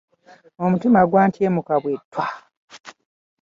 Omutima gwantyemuka bwe ttwa.